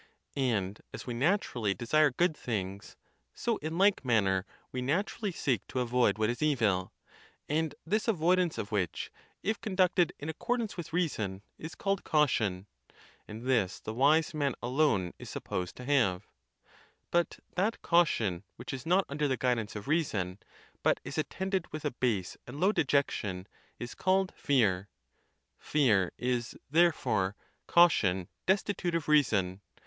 And as we naturally desire good things, so in like manner we naturally seek to avoid what is evil; and this avoidance of which, if conducted in ac cordance with reason, is called caution; and this the wise man alone is supposed to have: but that caution which is not under the guidance of reason, but is attended with a base and low dejection, is called fear. Fear is, therefore, caution destitute of reason.